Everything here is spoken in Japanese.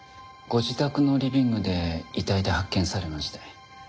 ご自宅のリビングで遺体で発見されまして。